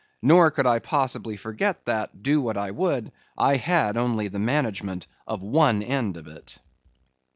Nor could I possibly forget that, do what I would, I only had the management of one end of it.